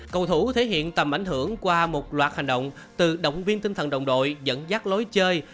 cầu thủ thể hiện tầm ảnh hưởng qua một loạt hành động từ động viên tinh thần đồng đội dẫn dắt lối chơi